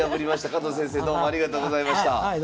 加藤先生どうもありがとうございました。